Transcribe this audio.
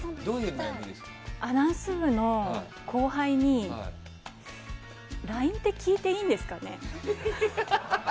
アナウンス部の後輩にＬＩＮＥって聞いていいんですかね？